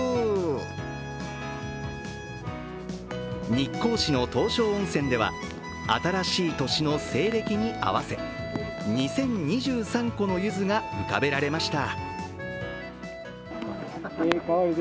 日光市の東照温泉では新しい年の西暦に合わせ２０２３個のゆずが浮かべられました。